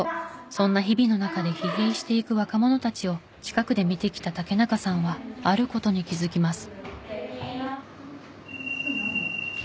そんな日々の中で疲弊していく若者たちを近くで見てきた竹中さんはある事に気づきます。